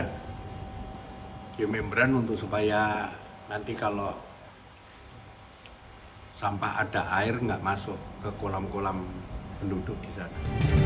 ada geomembran untuk supaya nanti kalau sampah ada air nggak masuk ke kolam kolam penduduk di sana